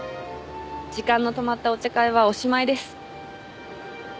時間の止まったお茶会はおしまいです。